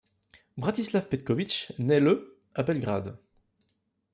Bratislav Petković naît le à Belgrade.